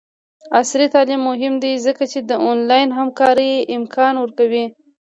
عصري تعلیم مهم دی ځکه چې د آنلاین همکارۍ امکان ورکوي.